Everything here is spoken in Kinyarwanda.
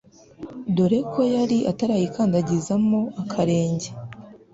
dore ko yari atarayikandagizamo akarenge